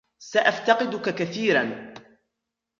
سأفتقدك كثيرًا.